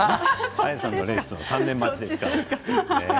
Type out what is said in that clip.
ａｙａさんのレッスン３年待ちですから。